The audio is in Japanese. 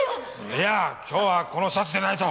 いや今日はこのシャツでないと。